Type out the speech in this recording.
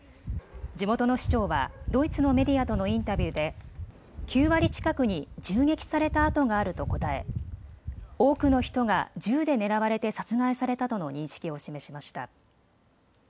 地元の市長はドイツのメディアとのインタビューで９割近くに銃撃された痕があると答え、多くの人が銃で狙われて殺害されたとの認識を示しました。